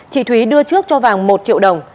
chị thúy đưa trước cho vàng một triệu đồng